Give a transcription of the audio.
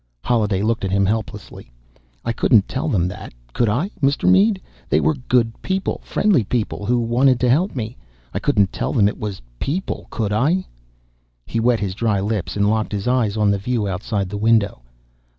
Holliday looked at him helplessly. "I couldn't tell them that, could I, Mr. Mead? They were good, friendly people who wanted to help me. I couldn't tell them it was people, could I?" He wet his dry lips and locked his eyes on the view outside the window.